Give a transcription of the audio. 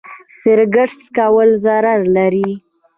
سګرټ څکول ضرر لري.